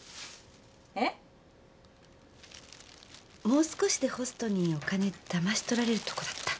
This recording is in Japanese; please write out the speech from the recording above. もう少しでホストにお金だましとられるとこだった。